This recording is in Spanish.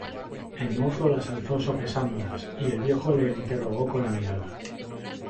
el mozo las alzó sopesándolas, y el viejo le interrogó con la mirada: